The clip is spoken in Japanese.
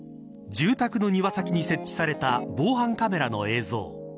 住宅の庭先に設置された防犯カメラの映像。